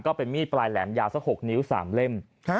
ก็เป็นมีดปลายแหลมยาวสัก๖นิ้ว๓เล่ม